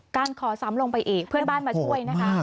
การขอซ้ำลงไปอีกเพื่อนบ้านมาช่วยนะคะ